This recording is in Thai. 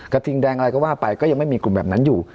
ทิงแดงอะไรก็ว่าไปก็ยังไม่มีกลุ่มแบบนั้นอยู่